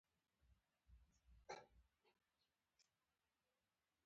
د انسانیت خدمت فضیلت دی.